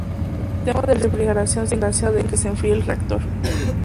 El sistema de refrigeración se encarga de que se enfríe el reactor.